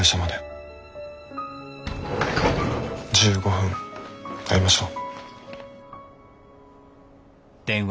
１５分会いましょう。